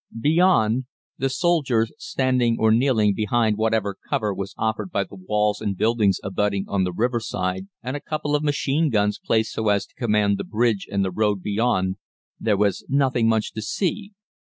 Beyond the soldiers standing or kneeling behind whatever cover was offered by the walls and buildings abutting on the riverside, and a couple of machine guns placed so as to command the bridge and the road beyond, there was nothing much to see.